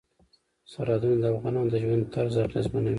سرحدونه د افغانانو د ژوند طرز اغېزمنوي.